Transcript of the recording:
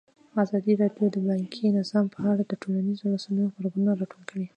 ازادي راډیو د بانکي نظام په اړه د ټولنیزو رسنیو غبرګونونه راټول کړي.